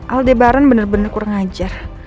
aldebaran bener bener kurang ajar